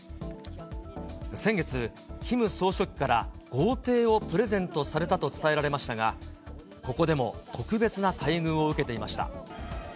先月、キム総書記から豪邸をプレゼントされたと伝えられましたが、ここでも特別な待遇を受けていました。